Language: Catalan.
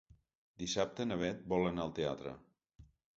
Dissabte na Bet vol anar al teatre.